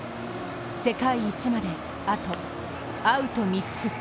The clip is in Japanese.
世界一まで、あとアウト３つ。